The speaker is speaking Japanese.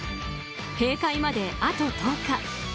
閉会まであと１０日。